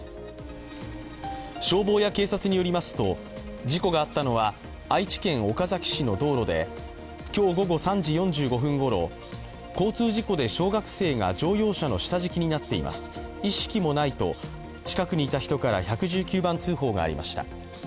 消防や警察によりますと事故があったのは愛知県岡崎市の道路で今日午後３時４５分ごろ、交通事故で小学生が乗用車の下敷きになっています、意識もないと、近くにいた人から１１９番通報がありました。